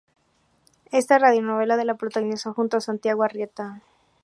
Esta radionovela la protagonizó junto a Santiago Arrieta.